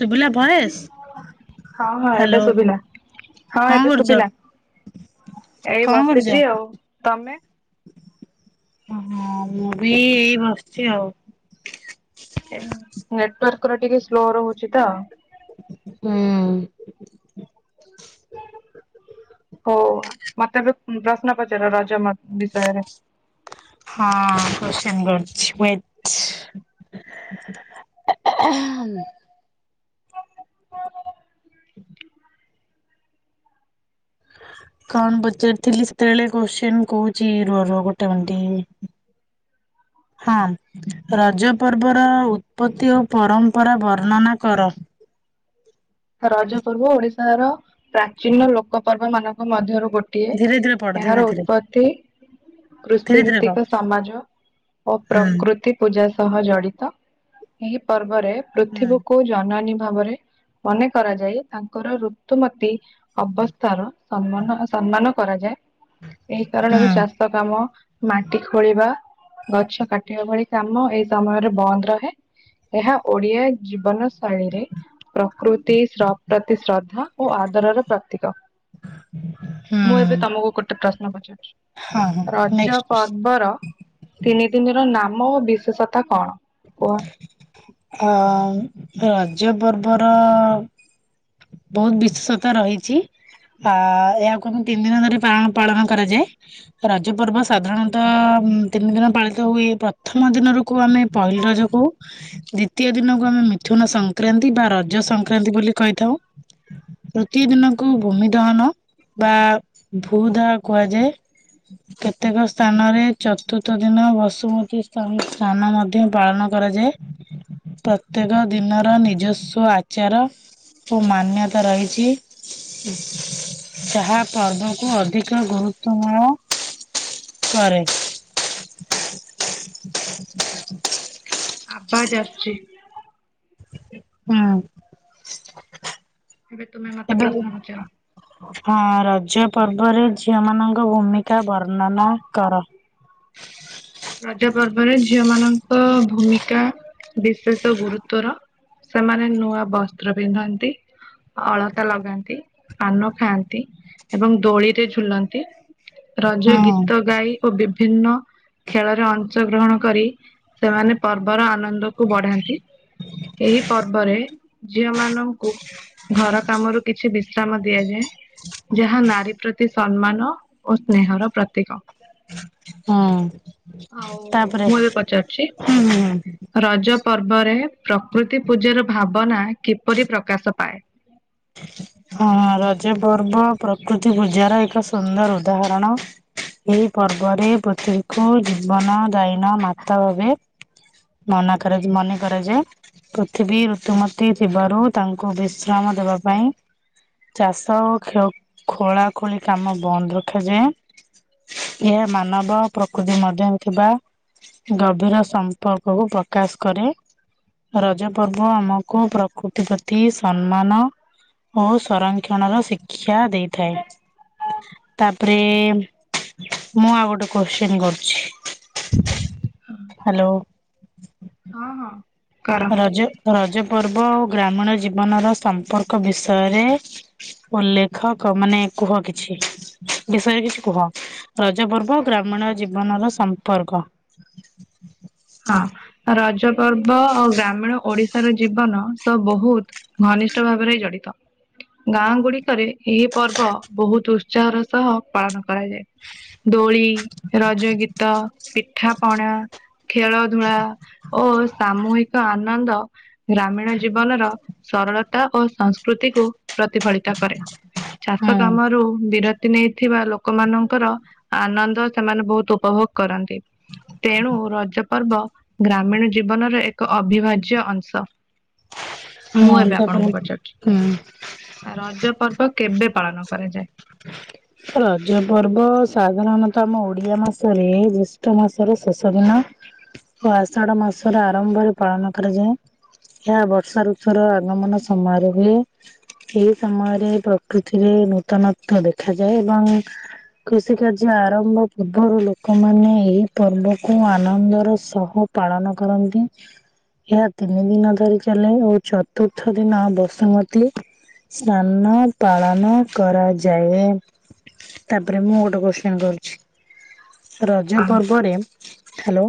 ସୁୁବିଲା voice? ହଁ ହଁ ଏବେ ହ୍ୟାଲୋ ଶୁଭିଲା ହଁ କଣ ଏବେ କରୁଛ ଶୁଭିଲା। ଏଇ କଣ କରୁଛ? ବସିଛି ଆଉ ତମେ? ହଁ ମୁଁ ବି ଏଇ ବସିଛି ଆଉ। ନେଟୱାର୍କ ର ଟିକେ ସ୍ଲୋ ରହୁଛି ତ। ହୁଁ ହଉ ମତେ ଏବେ ପ୍ରଶ୍ନ ପଚାର ରଜ ମ ବିଷୟରେ। ହଁ କୁଶ୍ଚିନ କରୁଛି ୱେଟ୍। [unintelligible] [unintelligible] କଣ ପଚାରଥିଲି ସେତେବେଳେ କୋଶ୍ଚିନ କହୁଛି ରୁହ ରୁହ ଗୋଟେ ମିନଟ୍। ହଁ ରଜ ପର୍ବର ଉତ୍ପତ୍ତି ଓ ପରମ୍ପରା ବର୍ଣ୍ଣନା କର। ରଜ ପର୍ବ ଓଡିଶାର ପ୍ରାଚୀନ ଲୋକ ପର୍ବ ମାନଙ୍କ ମଧ୍ୟରୁ ଗୋଟେ। ଧୀରେ ଧୀରେ ପଢ ଗୋଟିଏ ଧୀରେ ଏହାର ଧୀରେ ଉତ୍ପତ୍ତି। କୃଷି ଧୀରେ ଧୀରେ କହ ଭିତ୍ତିକ ସମାଜ ଓ ହୁଁ। ପ୍ରକୃତି। ପୂଜା ସହ ଜଡ଼ିତ ଏହି ପର୍ବରେ ହୁଁ ପୃଥିବୀକୁ ଜନନୀ ଭାବରେ ମନେ କରାଯାଇ ତାଙ୍କର ଋତୁମତୀ ଅବସ୍ତା ର ସମ୍ମାନ ର ସମ୍ମାନ କରାଯାଏ, ଏହି ହୁଁ କାରଣରୁ ଚାଷୀ ଚାସ କାମ ମାଟି ଖୋଳିବା ଗଛ କାଟିବା ଭଳି କାମ ଏଇ ସମୟରେ ବନ୍ଦ ରହେ। ଏହା ଓଡିଆ ଜୀବନ ଶୈଳୀରେ କୃତି ସପ୍ରତି ଶ୍ରଦ୍ଧା ଓ ଆଦରର ପ୍ରତୀକ। ମୁଁ ଏବେ ତମକୁ ଗୋଟେ ପ୍ରଶ୍ନ ପଚାରୁଛି। ହଁ ହଁ ରଜ ନେକ୍ସଟ୍ କୋଶ୍ଚିନ୍। ପର୍ବ ର ତିନି ଦିନିର ନାମ ଓ ବିଶେଷତା କଣ କୁହ। ଅ ରଜ୍ ପର୍ବର ବହୁତ ବିଶେଷତା ରହିଛି। ଆ ଏହାକୁ ଆମେ ତିନି ଦିନ ଧରି ପାଳନ କରାଯାଏ। ରଜ ପର୍ବ ହଁ, ସାଧାରଣତଃ ତିନି ଦିନ ପାଳିତ ହୁଏ ପ୍ରଥମ ଦିନ ରୁ କୁ ଆମେ ପହିଲ ରଜ କହୁ। ଦ୍ଵିତୀୟ ଦିନକୁ ଆମେ ମିଥୁନ ସଂକ୍ରାନ୍ତି ବା ରଜ ସଂକ୍ରାନ୍ତି ବୋଲି କହିଥାଉ। ତୃତୀୟ ଦିନକୁ ଭୂମି ଦହନ ବା ଭୂ ଦାହ କୁହାଯାଏ। କେତେକ ସ୍ଥାନରେ ଚତୁର୍ଥ ଦିନ ବସୁମତୀ ସ୍ନାନ ସ୍ଥାନ ମଧ୍ୟ ଧ୍ୟ ପାଳନ କରାଯାଏ ପ୍ରତ୍ୟେକ ଦିନର ନିଜସ୍ଵ ଆଚାର ଓ ମାନ୍ୟତା ରହିଚି। ଯାହା ପର୍ବକୁ ଅଧିକ ଗୁରୁତ୍ଵ ପୂର୍ଣ୍ଣ କରେ। ଆବାଜ ଆସୁଛି। ହୁଁ। ଏବେ ତୁମେ ମତେ ଏବେ ପ୍ରଶ୍ନ ପଚାର। ହଁ ରଜ ପର୍ବରେ ଝିଅ ମାନଙ୍କ ଭୂମିକା ବର୍ଣ୍ଣନା କର। ରଜା ପର୍ବରେ ଝିଅ ମାନଙ୍କ ଭୂମିକା ବିଶେଷ ଗୁରୁତର ସେମାନେ ନୂଆ ବସ୍ତ୍ର ପିନ୍ଧନ୍ତି। ଅଳତା ଲଗାନ୍ତି ପାନ ଖାଆନ୍ତି ଏବଂ ଦୋଳିରେ ଝୁଲନ୍ତି। ରଜ ହୁଁ ଗୀତ ଗାଇ ଓ ବିଭିନ୍ନ ଖେଳରେ ଅଂଶ ଗ୍ରହଣ କରି ସେମାନେ ପର୍ବର ଆନନ୍ଦକୁ ବଢାନ୍ତି। ଏହି ପର୍ବରେ ଝିଅ ମାନଙ୍କୁ ଘର କାମରୁ କିଛି ବିଶ୍ରାମ ଦିଆଯାଏ। ଯାହା ନାରୀ ପ୍ରତି ସମ୍ମାନ ଓ ସ୍ନେହର ପ୍ରତୀକ। ହଁ ଆଉ ତାପରେ ମୁଁ ଏବେ ପଚାରୁଛି ଉ ହୁଁ। ରଜ ପର୍ବରେ ପ୍ରକୃତି ପୂଜାର ଭାବନା କିପରି ପ୍ରକାଶ ପାଏ। ହଁ ରଜ ପର୍ବ ପ୍ରକୃତି ପୂଜାର ଏକ ସୁନ୍ଦର ଉଦାହରଣ। ଏହି ପର୍ବରେ ପ୍ରକୃତି କୁ ଜୀବନ ଦାଇନ ମାତା ଭାବେ ମନା କରା ଯ ମନେ କରାଯାଏ। ପୃଥିବୀ ଋତୁମତୀ ଥିବାରୁ ତାଙ୍କୁ ବିଶ୍ରାମ ଦବା ପାଇଁ ଚାଷ ଓ ଖୋ ଖୋଳା ଖୋଳି କାମ ବନ୍ଦ ରଖାଯାଏ। ଏହା ମାନବ ପ୍ରକୃତି ମଧ୍ୟରେ ଥିବା- ଗଭୀର ସମ୍ପର୍କକୁ ପ୍ରକାଶ କରେ। ରଜ ପର୍ବ ଆମକୁ ପ୍ରକୃତି ପ୍ରତି ସମ୍ମାନ ଓ ସଂରକ୍ଷଣର ଶିକ୍ଷା ଦେଇଥାଏ। ତାପରେ ମୁଁ ଆଉ ଗୋଟେ କୋଶ୍ଚନ କରୁଛି। ???? ହାଲୋ। ହଁ ହଁ। କର ରଜ ରଜ ପର୍ବ ଓ ଗ୍ରାମୀଣ ଜୀବନ ର ସମ୍ପର୍କ ବିଷୟରେ ଉଲେଖ କ ମାନେ କୁହ କିଛି ବିଷୟରେ କିଛି କୁହ। ରଜ ପର୍ବ ଗ୍ରାମୀଣ ଜୀବନର ସମ୍ପର୍କ ହଁ ରଜ ପର୍ବ ଆଉ ଗ୍ରାମୀଣ ଓଡିଶାର ଜୀବନ ସ ବହୁତ ଘନିଷ୍ଠ ଭାବରେ ଜଡିତ। ଗାଁ ଗୁଡିକରେ ଏହି ପର୍ବ ବହୁତ ଉତ୍ସାହର ସହ ପାଳନ କରାଯାଏ। ଦୋଳି ରଜ ଗୀତ ପିଠାପଣା ଖେଳ ଧୂଳା ଓ ସାମୂହିକ ଆନନ୍ଦ ଗ୍ରାମୀଣ ଜୀବନର ସରଳତା ଓ ସଂସ୍କୃତି କୁ ପ୍ରତିଫଳିତ କରେ ଚାଷ ହଁ କାମରୁ ବିର ତି ନେଇ ଥିବା ଲୋକମାନଙ୍କର ଆନନ୍ଦ ସେମାନେ ବହୁତ ଉପଭୋଗ କରନ୍ତି। ତେଣୁ ରଜ ପର୍ବ ଗ୍ରାମୀଣ ଜୀବନର ଏକ ଅବିଭାଜ୍ୟ ଅଂଶ। ମୁଁ ହଁ ଏବେ ତାପରେ ଆପଣଙ୍କୁ ପଚାରୁଛି। ହୁଁ ଆ ରଜ ପର୍ବ କେବେ ପାଳନ କରାଯାଏ। ରଜ ପର୍ବ ସାଧାରଣତଃ ଆମ ଓଡିଆ ମାସରେ ଜେଷ୍ଠ ମାସର ଶେଷ ଦିନ ଓ ଆଷାଢ ମାସରେ ଆରମ୍ଭରେ ପାଳନ କରାଯାଏ। ଏହା ବର୍ଷା ଋତୁ ର ଆଗମନ ସମୟରେ ହୁଏ। ଏଇ ସମୟରେ ପ୍ରକୃତିରେ ନୃତନତ୍ୱ ଦେଖାାଯାଏ ଏବଂ କୃଷି କାର୍ଯ୍ୟ ଆରମ୍ଭ ପୂର୍ବରୁ ଲୋକମାନେ ଏହି ପର୍ବକୁ ଆନନ୍ଦର ସହ ପାଳନ କରନ୍ତି। ଏହା ତିନି ଦିନ ଧରି ଚାଲେ ଓ ଚତୁର୍ଥ ଦିନ ବସୁମତୀ ସ୍ନାନ ପାଳନ କରାଯା ଯାଏ ତାପରେ ମୁଁ ଗୋଟେ କୋଶ୍ଚେନ କରୁଛି। ରଜ ଅ ପର୍ବରେ ହ୍ୟାଲୋ।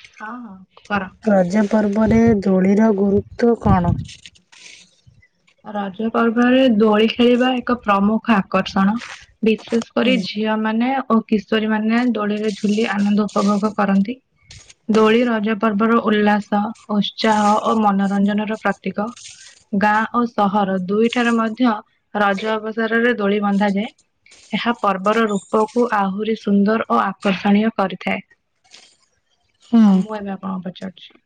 ହଁ ହଁ କର। ରଜ ପର୍ବରେ ଦୋଳିର ଗୁରୁତ୍ୱ କଣ। ରଜ ପର୍ବରେ ଦୋଳି ଖେଳିବା ଏକ ପ୍ରମୁଖ ଆକର୍ଷଣ ବିଶେଷ କରି ଝିଅ ମାନେ ଓ କିଶୋରୀ ମାନେ ଦୋଳିରେ ଝୁଲି ଆନନ୍ଦ ଉପଭୋଗ କରନ୍ତି। ଦୋଳି ରଜ ପର୍ବର ଉଲ୍ଲାସ ଉତ୍ସାହ ଓ ମନୋରଞ୍ଜନର ପ୍ରତୀକ ଗାଁ ଓ ସ ସହର ଦୁଇ ଠାରେ ମଧ୍ୟ ରଜ ଅବସରରେ ଦୋଳି ବନ୍ଧାଯାଏ। ଏହା ପର୍ବର ରୂପକୁ ଆହୁରି ସୁନ୍ଦର ଓ ଆକର୍ଷଣୀୟ କରିଥାଏ। ହୁଁ ଆଉ ମୁଁ ଏବେ ଆପଣଙ୍କୁ ପଚାରୁଛି।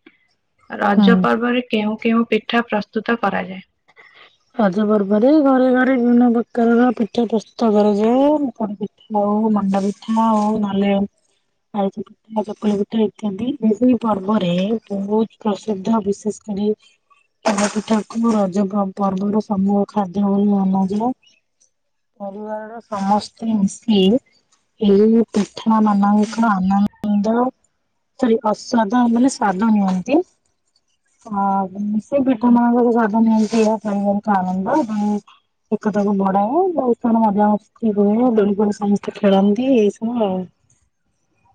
ରଜ ହୁଁ। ପର୍ବରେ କେଉଁ କେଉଁ ପିଠା ପ୍ରସ୍ତୁତ କରାଯାଏ। ରଜ ପର୍ବରେ ଘରେ ଘରେ ବିଭିନ୍ନ ପ୍ରକାରର ପିଠା ପ୍ରସ୍ତୁତ କରାଯାଏ ପୋଡ଼ପି ହଉ ମଣ୍ଡା ପିଠା ହଉ ନହେଲେ ଆରିସା ପି ଆ ଚକୁଳି ପିଠା ଇତ୍ୟାଦି ଏହି ପର୍ବରେ ବହୁତ ପ୍ରସିଦ୍ଧ ବିଶେଷ କରି ପୋଡ଼ ପିଠାକୁ ରଜ ପର୍ବର ସମୁହ ଖାଦ୍ୟ ବୋଲି ମନାଯାଏ। ପରିବାରର ସମସ୍ତେ ମିଶି ଏଇ ପିଠା ହୁଁ ମନାଙ୍କ ଆନନ୍ଦ ସରି ଅସ୍ଵାଦ ମାନେ ସ୍ଵାଦ ନିଅନ୍ତି ଅ ସେ ପିଠା ମାନଙ୍କର ସ୍ୱାଦ ନିଅନ୍ତି ଏହା ପାରିବାରିକ ଆନନ୍ଦ ଆଉ ଏକ ତାକୁ ବଢାଏ ବହୁତ ଜଣ ମଜମସ୍ତି ହୁଏ ଦୋଳିଫୋଳି ସମସ୍ତେ ଖେଳନ୍ତି ଏଇ ସବୁ ଆଉ। [inaudible]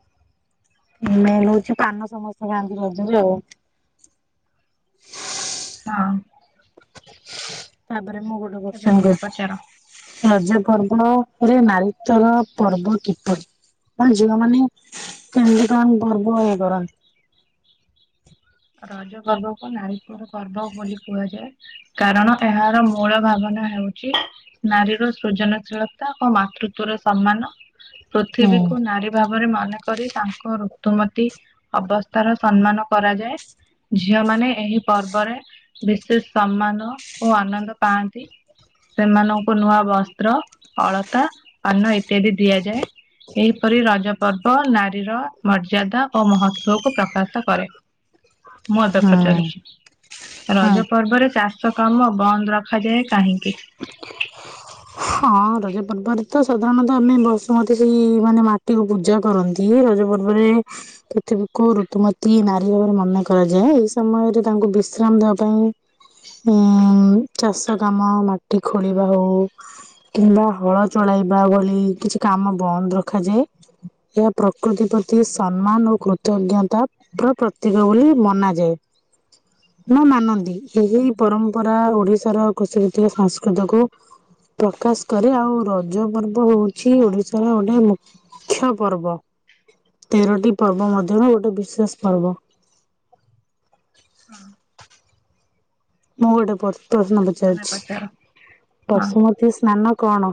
ମେନ୍ ହଉଚି ପାନ ସମସ୍ତେ ଖାଆନ୍ତି ରଜରେ ଆଉ। ହଁ। ତାପରେ ମୁଁ ଗୋଟେ ଏବେ କୋଶ୍ଚେନ ତମେ କରୁଚି। ପଚାର। ରଜ ପର୍ବ ପରେ ନାରୀତ୍ୟର ପର୍ବ କିପରି। ମ ଝିଅ ମାନେ କେମତି କଣ ପର୍ବ ଇଏ କରନ୍ତି। ରଜ ପର୍ବ କୁ ନାରୀତ୍ବର ପର୍ବ ବୋଲି କୁହାଯାଏ। କାରଣ ଏହାର ମୂଳ ଭାବନା ହଉଚି ନାରୀର ସୃଜନଶୀଳତା ଓ ମାତୃତ୍ଵର ସମ୍ମାନ ହୁଁ। ପୃଥିବୀକୁ ନାରୀ ଭାବରେ ମନେକରି ତାଙ୍କ ଋତୁମତୀ ଅବସ୍ଥାର ସମ୍ମାନ କରାଯାଏ। ଝିଅ ମାନ ଏହି ପର୍ବରେ ବିଶେଷ ସମ୍ମାନ ଓ ଆନନ୍ଦ ପାଆନ୍ତି। ସେମାନଙ୍କୁ ନୂଆ ବସ୍ତ୍ର ଅଳତା ପାନ ଇତ୍ୟାଦି ଦିଆଯାଏ। ଏହିପରି ରଜ ପର୍ବ ନାରୀର ମର୍ଯ୍ୟାଦା ଓ ମହତ୍ଵକୁ ପ୍ରକାଶ କରେ। ମୁଁ ଏବେ ହଁ ପଚାରୁଛି ହଁ। ରଜ ପର୍ବରେ ଚା ଷ କାମ ବନ୍ଦ ରଖାଯାଏ କାହିଁକି। ହଁ ରଜ ପର୍ବରେ ତ ସାଧାରଣତଃ ଆମେ ବସୁମତୀ ସେଇ ମାନେ ମାଟିକୁ ପୂଜା କରନ୍ତି। ଇଏ ରଜପର୍ବରେ ପୃଥିବୀକୁ ଊତୁମତୀ ନାରୀ ଭାବରେ ମନେ କରାଯାଏ ଏଇ ସମୟରେ ତାଙ୍କୁ ବିଶ୍ରାମ ଦବା ହିଁ ଉଁ ଚାଷ କାମ ମାଟି ଖୋଳିବା ହୋଉ। କିମ୍ବା ହଳ ଚଳେଇବା ଭଳି କିଛି କାମ ବନ୍ଦ ରଖାଯାଏ। ଏହା ପ୍ରକୃତି ପ୍ରତି ସମ୍ମାନ ଓ କୃତଜ୍ଞତା ର ପ୍ରତୀକ ବୋଲି ମନାଯାଏ ନା ମାନନ୍ତି। ହଁ ଏହି ପରମ୍ପରା ଓଡିଶାର କୃଷିଭିତ୍ତିକ ସଂସ୍କୃତକୁ ପ୍ରକାଶ କରେ ଆଉ ରଜ ପର୍ବ ହୋଉଚି ଓଡିଶାର ଗୋଟେ ମୁ ମୁଖ୍ୟ ପର୍ବ ତେରଟି ପର୍ବ ମଧ୍ୟରୁ ଗୋଟେ ବିଶେଷ ପର୍ବ। ହଁ। ମୁଁ ଗୋଟେ ପ୍ରତ-ଶ୍ନ ଏବେ ତମେ ପଚାରୁଚି ପଚାର ହଁ। ବଶୁମତୀ ସ୍ନାନ କଣ?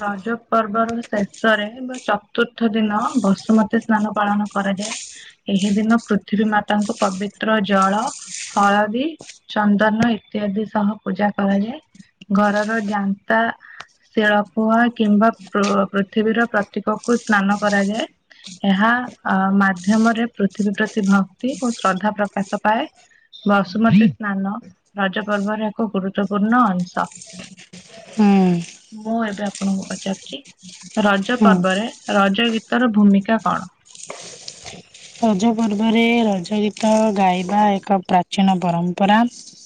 ରଜ ପର୍ବର ଶେଷରେ ବା ଚତୁର୍ଥ ଦିନ ବସୁମତୀ ସ୍ନାନ ପାଳନ କରାଯାଏ। ଏହି ଦିନ ପୃଥିବୀ ମାତାଙ୍କୁ ପବିତ୍ର ଜଳ ହଳଦୀ ଚନ୍ଦନ ଇତ୍ୟାଦି ସହ ପୂଜା କରାଯାଏ। ଘରର ଯାନ୍ତା ଶିଳ ପୁଆ କିମ୍ବା ପୃ-ପୃଥିବୀର ପ୍ରତୀକକୁ ସ୍ନାନ କରାଯାଏ। ଏହା ଅ ମାଧ୍ୟମରେ ପୃଥିବୀ ପ୍ରତି ଭକ୍ତି ଓ ଶ୍ରଦ୍ଧା ପ୍ରକାଶ ପାଏ। ବସୁମତୀ ସ୍ନାନ ରଜ ପର୍ବର ଏକ ଗୁରୁତ୍ୱପୂର୍ଣ୍ଣ ଅଂଶ। ହୁଁ। ମୁଁ ଏବେ ଆପଣଙ୍କୁ ପଚାରୁଚି ରଜ ହୁଁ ପର୍ବରେ ରଜ ଗୀତର ଭୂମିକା କଣ? ରଜ ପର୍ବରେ ରଜ ଗୀତ ଗାଇବା ଏକ ପ୍ରାଚୀନ ପରମ୍ପରା।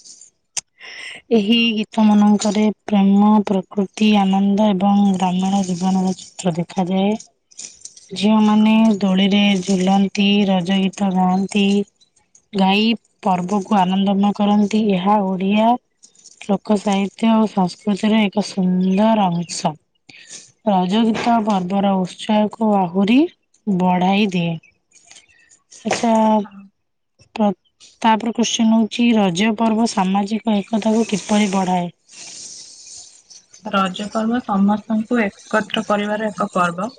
[inaudible] ଏହି ଗୀତ ମାନଙ୍କରେ ପ୍ରେମ, ପ୍ରକୃତି, ଆନନ୍ଦ, ଏବଂ ଗ୍ରାମୀଣ ଜୀବନର ଚିତ୍ର ଦେଖାଯାଏ। ଝିଅମାନେ ହଁ ଦୋଳିରେ ଝୁଲନ୍ତି ରଜ ଗୀତ ଗାଆନ୍ତି। ଗାଈ ପର୍ବକୁ ଆନନ୍ଦମୟ କରନ୍ତି ଏହା ଓଡିଆ ଲୋକ ସାହିତ୍ୟ ଓ ସଂସ୍କୃତିର ଏକ ସୁନ୍ଦର ଅଂଶ ରଜ ଗୀତ ପର୍ବର ଉତ୍ସାହକୁ ଆହୁରି ବଢାଇ ଦିଏ। ଆଚ୍ଛା ହଁ। ପ୍ର ତାପରେ କୋଶ୍ଚନ ହୋଉଚି ରଜ ପର୍ବ ସାମାଜିକ ଏକତାକୁ କିପରି ବଢ଼ାଏ? ରଜ ପର୍ବ ସମସ୍ତଙ୍କୁ ଏକତ୍ର କରିବାର ଏକ ପର୍ବ।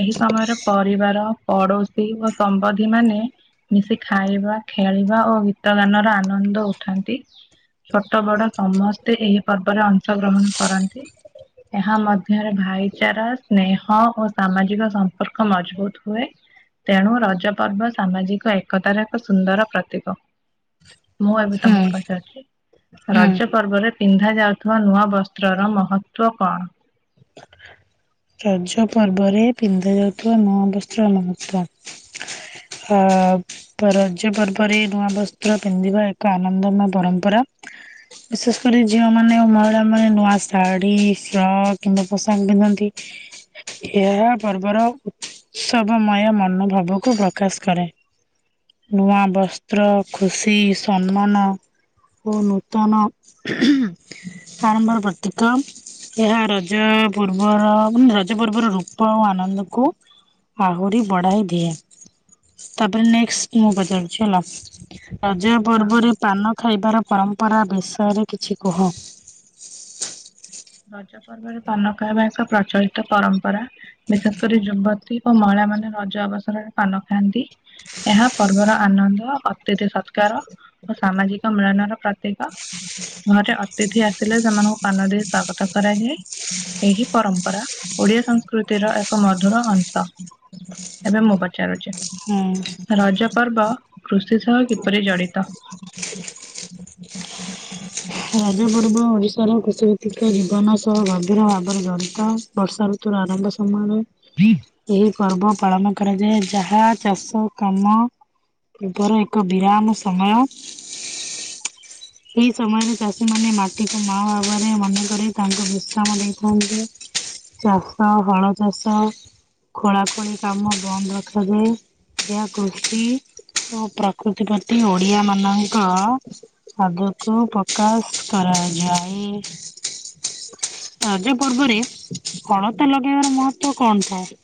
ଏହି ସମୟରେ ପରିବାର ପଡୋଶୀ ଓ ସମ୍ବନ୍ଧୀ ମାନେ ମିଶି ଖାଇବା, ଖେଳିବା ଓ ଗୀତ ଗାନର ଆନନ୍ଦ ଉଠାନ୍ତି। ଛୋଟ ବଡ ସମସ୍ତେ ଏହି ପର୍ବରେ ଅଂଶଗ୍ରହଣ କରନ୍ତି। ଏହା ମଧ୍ୟରେ ଭାଇଚାରା ସ୍ନେହ ଓ ସାମାଜିକ ସମ୍ପର୍କ ମଜବୁତ ହୁଏ। ତେଣୁ ରଜ ପର୍ବ ସାମାଜିକ ଏକତାର ଏକ ସୁନ୍ଦର ପ୍ରତୀକ। ମୁଁ ଏବେ ହୁଁ ତମକୁ ପାଚାରୁଚି ହୁଁ ରଜ ପର୍ବରେ ପିନ୍ଧା ଯାଉଥୁବା ନୂଆ ବସ୍ ତ୍ରର ମହତ୍ଵ କଣ? ରଜ ପର୍ବରେ ପିନ୍ଧା ଯାଉଥିବା ନୂଆ ବସ୍ତ୍ର [unintelligible] ହ ପ ରଜ ପର୍ବରେ ନୂଆ ବସ୍ତ୍ର ପିନ୍ଧିବା ଏକ ଆନନ୍ଦମୟ ପରମ୍ପରା। ବିଶେଷ କରି ଝିଅମାନେ ଓ ମହିଳାମାନେ ନୂଆ ଶାଢ଼ୀ ସକ୍ କିମ୍ବା ପୋଷାକ ପିନ୍ଧନ୍ତି ଏହା ପର୍ବର ଉ ତ୍ସବମୟ ମନୋଭାବକୁ ପ୍ରକାଶ କରେ। ନୂଆ ବସ୍ତ୍ର, ଖୁସି, ସମ୍ମାନ ଓ ନୂତନ ଆରମ୍ଭର ପ୍ରତୀକା ଏହା ର ରଜ ପୂର୍ବର ମାନେ ରଜ ପର୍ବର ରୂପ ଆଉ ଆନନ୍ଦକୁ ଆହୁରି ବଢାଇ ଦିଏ ତାପରେ ନେକ୍ସଟ୍ ମୁଁ ପଚାରୁଚି ହେଲା। ରଜ ହଁ ପର୍ବରେ ପାନ ଖାଇବାର ପରମ୍ପରା ବିଷୟରେ କିଛି କୁହ? ରଜ ପର୍ବରେ ପାନ ଖାଇବା ଏକ ପ୍ରଚଳିତ ପରମ୍ପରା ବିଶେଷ କରି ଯୁବ ଅଧିକ ମହିଳା ମାନେ ରଜ ଅବସରରେ ପାନ ଖାଆନ୍ତି ଏହା ପର୍ବର ଆନନ୍ଦ ଅତିଥି ସତ୍କାର ଓ ସାମାଜିକ ମିଳନର ପ୍ରତୀ କ ଘରେ ଅତିଥି ଆସିଲେ ସେମାନଙ୍କୁ ପାନ ଦେଇ ସ୍ବାଗତ ଏହି ପରମ୍ପରା ଓଡ଼ିଆ ସଂସ୍କୃତିର ଏକ ମଧୁର ଅଂଶ। ଏବେ ମୁଁ ପଚାରୁଛି। ହୁଁ। ରଜପର୍ବ କୃଷି ସହ କିପରି ଜଡ଼ିତ? ରଜ ପର୍ବ ଓଡିଶାର କୃଷି ଭିତ୍ତିକ ଜୀବନ ସହ ଗଭୀର ଭାବରେ ଜଡ଼ିତ। ବର୍ଷା ଋତୁର ଆରମ୍ଭ ସମୟରେ ଫି୍ ଏହି ପର୍ବ ପାଳନ କରାଯାଏ ଯାହା ଚାଷ କାମ ପୂର୍ବର ଏକ ବିରାମ ସମୟ। ଏଇ ସମୟରେ ଚାଷୀ ମାନେ ମାଟିକୁ ମା ଭାବରେ ମନେକରି ତାଙ୍କୁ ବିଶ୍ରାମ ଦେଇଥାନ୍ତି। ଚାଷ, ହଳଚାଷ ଖୋଳା ଖୋଳି କାମ ବନ୍ଦ ରଖାଯାଏ। ଏହା କୃଷି ଓ ପ୍ରକୃତି ପ୍ରତି ଓଡିଆ ମାନଙ୍କ ଆଗକୁ ପ୍ରକାଶ କରାଯାଏ। ରଜ ପର୍ବରେ ଅଳତା ଲଗେଇବାର ମହତ୍ତ୍ଵ କଣ ଥାଏ?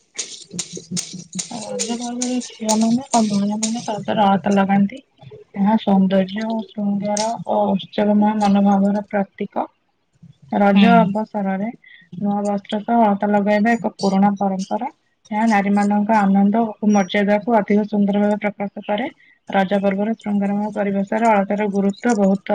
ରଜ ପର୍ବରେ ଝିଅ ମାନେ ଆଉ ମହିଳା ମାନେ ପାଦରେ ଅଳତା ଲଗାନ୍ତି। ଏହା ସୌନ୍ଦର୍ଯ୍ୟ ଓ ସୁନ୍ଦର ଓ ଉତ୍ସାହମୟ ମନୋଭାବର ପ୍ରତୀକ। ରଜ ହୁଁ ଅବସରରେ ନୂଆ ବସ୍ତ୍ର ସହ ଅଳତା ଲଗାଇବା ଏକ ପୁରୁଣା ପରମ୍ପରା ଏହା ନାରୀମାନଙ୍କ ଆନନ୍ଦ ଓ ମର୍ଯ୍ୟାଦାକୁ ଅଧିକ ସୁନ୍ଦର ଭାବେ ପ୍ରକାଶ କରେ। ରଜ ପର୍ବର ସୁନ୍ଦରମୟ ପରିବେଶରେ ଅଳତାର ଗୁରୁତ୍ଵ ବହୁତ।